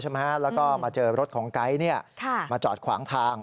แล้วก็มาเจอรถของไก๊มาจอดขวางทาง